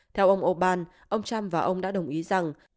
theo ông orbán ông trump và ông đã đồng ý rằng